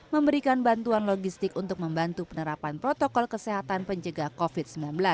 memberikan bantuan logistik untuk membantu penerapan protokol kesehatan penjaga covid sembilan belas